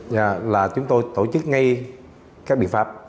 chúng tôi tổ chức ngay các biện pháp